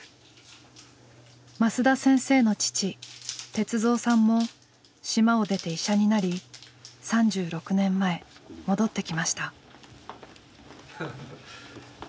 升田先生の父鉄三さんも島を出て医者になり３６年前戻ってきました。